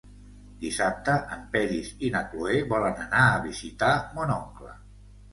Dissabte en Peris i na Cloè volen anar a visitar mon oncle.